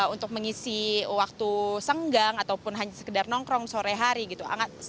untuk mengisi waktu senggang ataupun hanya sekedar nongkrong sore hari gitu